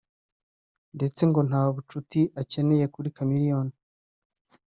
ndetse ngo nta bucuti akeneye kuri Chameleone